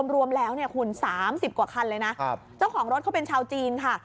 รวมแล้วเนี่ยคุณ๓๐กว่าคันเลยนะเจ้าของรถเขาเป็นชาวจีนค่ะ